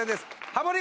ハモリ